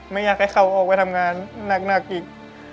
ไม่อยากให้เขาออกไปทำงานหนักอีก